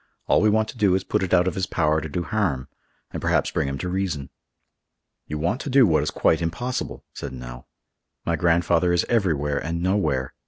All we want to do is to put it out of his power to do harm, and perhaps bring him to reason." "You want to do what is quite impossible," said Nell. "My grandfather is everywhere and nowhere.